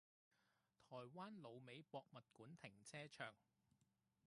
台灣滷味博物館停車場